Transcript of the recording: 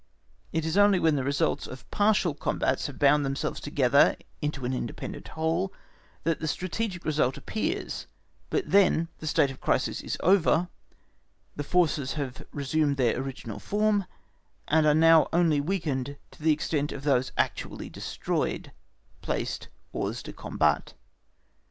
It is only when the results of partial combats have bound themselves together into an independent whole, that the strategic result appears, but then, the state of crisis is over, the forces have resumed their original form, and are now only weakened to the extent of those actually destroyed (placed hors de combat).